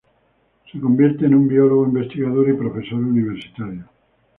Se convierte en un biólogo, investigador y profesor universitario.